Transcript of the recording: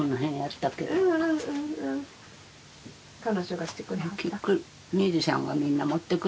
彼女がしてくれはった？